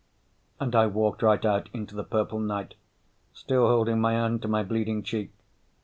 And I walked right out into the purple night, still holding my hand to my bleeding cheek.